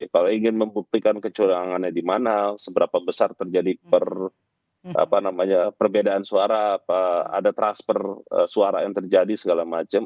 kalau ingin membuktikan kecurangannya di mana seberapa besar terjadi perbedaan suara ada transfer suara yang terjadi segala macam